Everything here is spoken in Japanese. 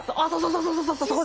そうそうそう！